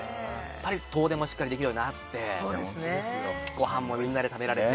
遠出もしっかりでできるようになってごはんもみんなで食べられて。